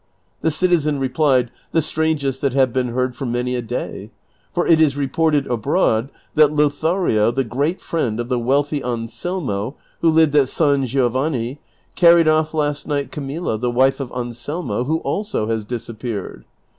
The citizen replied, " The strangest that have been heard for many a day ; for it is reported abroad that Lothario, the great friend of the wealthy Anselmo, who lived at San Giovanni, carried off" last night Camilla, the wife of Anselmo, who also has disappeared.